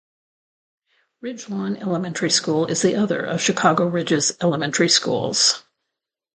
Ridge Lawn Elementary School is the other of Chicago Ridge's elementary schools.